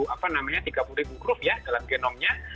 apa namanya tiga puluh ribu grup ya dalam genomnya